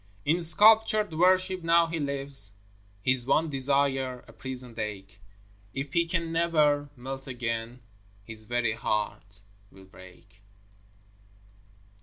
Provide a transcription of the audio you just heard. In sculptured worship now he lives, His one desire a prisoned ache; If he can never melt again His very heart will break.